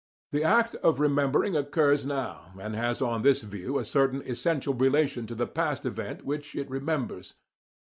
The act of remembering occurs now, and has on this view a certain essential relation to the past event which it remembers.